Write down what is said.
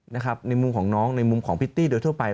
ในมุมของน้องในมุมของพิตตี้โดยทั่วไป